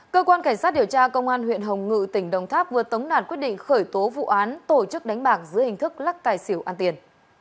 cơ quan cảnh sát điều tra công an huyện hồng ngự tỉnh đồng tháp vừa tống đạt quyết định khởi tố vụ án tổ chức đánh bạc dưới hình thức lắc tài xỉu ăn tiền